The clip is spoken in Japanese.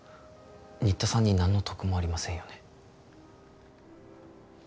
新田さんに何の得もありませんよね？